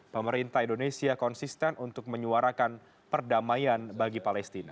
pemerintah indonesia konsisten untuk menyuarakan perdamaian bagi palestina